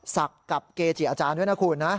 ศักดิ์กับเกจิอาจารย์ด้วยนะคุณนะ